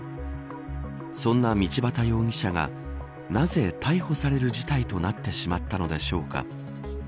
そんな道端容疑者がなぜ逮捕される事態となってしまったのでしょうか。